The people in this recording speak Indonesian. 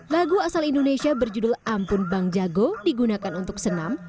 lagu asal indonesia berjudul ampun bang jago digunakan untuk senam